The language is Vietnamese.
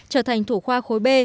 trở thành thủ khoa khối b